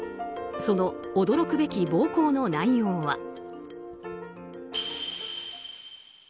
その驚くべき暴行の内容は。